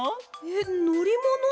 えっのりもの？